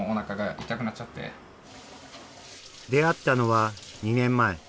出会ったのは２年前。